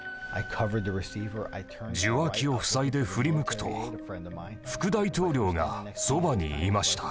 受話器を塞いで振り向くと副大統領がそばにいました。